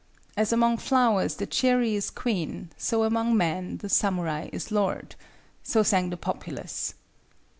"As among flowers the cherry is queen, so among men the samurai is lord," so sang the populace.